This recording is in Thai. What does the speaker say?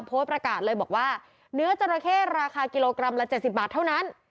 โพสต์ประกาศเลยบอกว่าเนื้อจราเข้ราคากิโลกรัมละ๗๐บาทเท่านั้น